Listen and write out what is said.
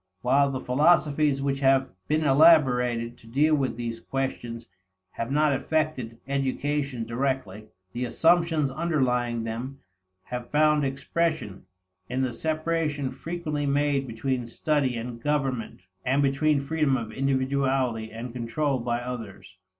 While the philosophies which have been elaborated to deal with these questions have not affected education directly, the assumptions underlying them have found expression in the separation frequently made between study and government and between freedom of individuality and control by others.